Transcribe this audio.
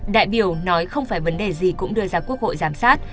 đại biểu nói không phải vấn đề gì cũng đưa ra quốc hội giám sát